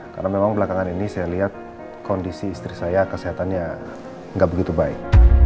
karena memang belakangan ini saya lihat kondisi istri saya kesehatannya gak begitu baik